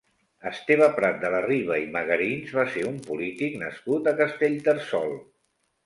Esteve Prat de la Riba i Magarins va ser un polític nascut a Castellterçol.